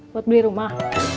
buat beli rumah